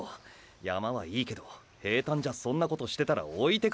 山はいいけど平坦じゃそんなことしてたら置いてかれるでしょ。